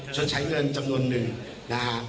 ใช้เงินจำนวนหนึ่งนะฮะ